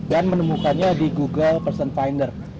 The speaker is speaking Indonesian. dan menemukannya di google person finder